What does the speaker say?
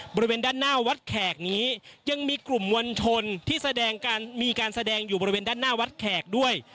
บริเวณด้านหน้าวัดแขกนี้ยังมีกลุ่มมวลชนที่แสดงการมีการแสดงอยู่บริเวณด้านหน้าวัดแขกด้วย